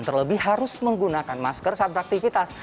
terlebih harus menggunakan masker saat beraktivitas